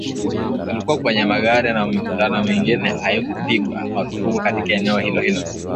ulikuwa kwenye magari na mikutano mingine haikupigwa marufuku katika eneo hilo hilo